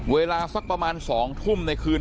เวลาสักประมาณ๒ทุ่มในคืน